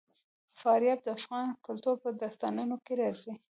فاریاب د افغان کلتور په داستانونو کې راځي.